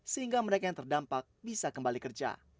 sehingga mereka yang terdampak bisa kembali kerja